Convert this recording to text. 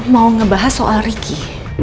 mau ngebahas soal ricky